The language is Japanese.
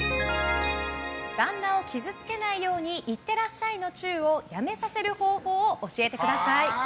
旦那を傷つけないようにいってらっしゃいのチューをやめさせる方法を教えてください。